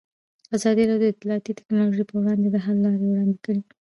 ازادي راډیو د اطلاعاتی تکنالوژي پر وړاندې د حل لارې وړاندې کړي.